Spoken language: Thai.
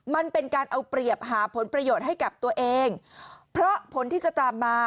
มันเป็นการเอาเปรียบหาผลประโยชน์ให้กับตัวเองเพราะผลที่จะตามมา